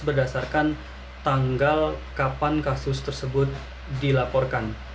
berdasarkan tanggal kapan kasus tersebut dilaporkan